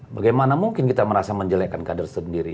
bagaimana mungkin kita merasa menjelekan kader sendiri